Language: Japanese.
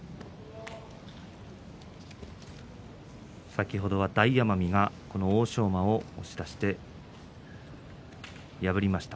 先ほどは大奄美が欧勝馬を押し出しで勝っています。